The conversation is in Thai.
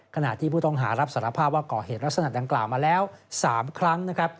ขณะที่ผู้ต้องหารับสารภาพว่าก่อเหตุลักษณะดังกล่าวมาแล้ว๓ครั้งนะครับ